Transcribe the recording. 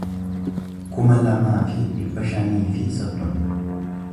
kuma lamaa fi dhibba shanii fi soddoma